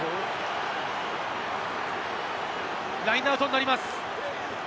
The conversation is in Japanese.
ラインアウトになります。